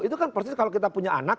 itu kan persis kalau kita punya anak